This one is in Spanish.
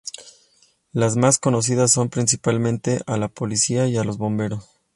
Las más conocidas son principalmente a la policía y a los bomberos.